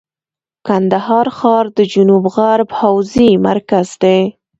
کندهار ښار د جنوب غرب حوزې مرکز دی.